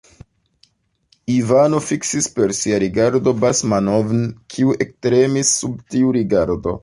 Ivano fiksis per sia rigardo Basmanov'n, kiu ektremis sub tiu rigardo.